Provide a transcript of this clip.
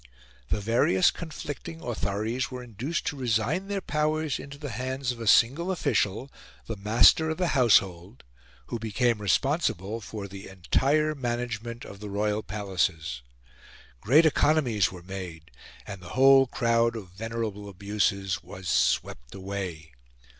The various conflicting authorities were induced to resign their powers into the hands of a single official, the Master of the Household, who became responsible for the entire management of the royal palaces. Great economies were made, and the whole crowd of venerable abuses was swept away.